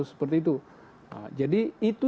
seperti itu jadi itu